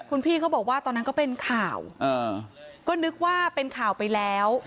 คุณพี่เขาบอกว่าตอนนั้นก็เป็นข่าวก็นึกว่าเป็นข่าวไปแล้ว